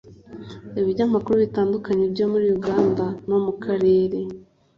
Ibinyamakuru bitandukanye byo muri Uganda no mu karere